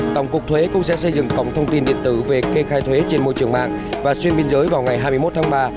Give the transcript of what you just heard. tổng cục thuế cũng sẽ xây dựng cổng thông tin điện tử về kê khai thuế trên môi trường mạng và xuyên biên giới vào ngày hai mươi một tháng ba